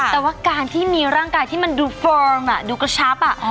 แต่ว่าการที่มีร่างกายที่มันดูฟอร์มดูกระชับ